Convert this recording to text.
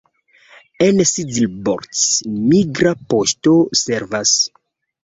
En Szabolcs migra poŝto servas.